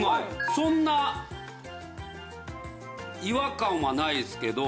そんな違和感はないですけど。